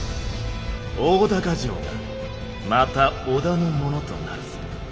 大高城がまた織田のものとなるぞ。